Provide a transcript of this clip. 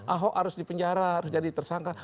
ahok harus dipenjara harus jadi tersangka